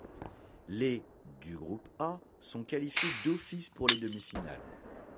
Les du groupe A sont qualifiés d'office pour les demi-finales.